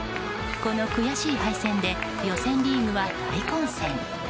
この悔しい敗戦で予選リーグは大混戦。